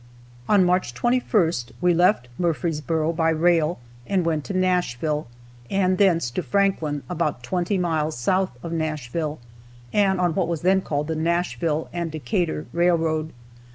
On March 21st, we left Murfreesboro by rail and went to Nashville, and thence to Franklin, about twenty miles south of Nashville, and on what was then called the Nashville and Decatur railroad.